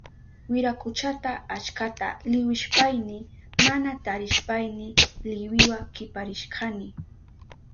Wirakuchata achkata liwishpayni mana tarishpayni liwiwa kiparishkani.